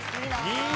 いい。